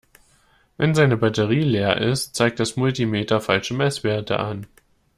Wenn seine Batterie leer ist, zeigt das Multimeter falsche Messwerte an.